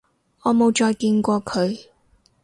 我冇再見過佢